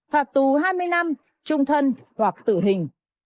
phạt tù hai mươi năm trung thân hoặc tử hình